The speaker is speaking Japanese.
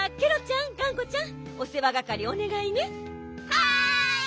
はい！